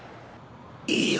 いいよ。